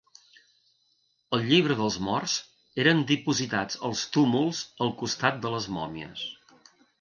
El Llibre dels Morts eren dipositats als túmuls al costat de les mòmies.